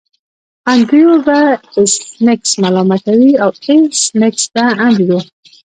انډریو به ایس میکس ملامتوي او ایس میکس انډریو